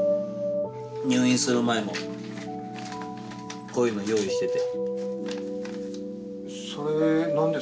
入院する前もこういうの用意してて。